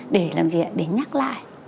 để làm gì ạ để nhắc lại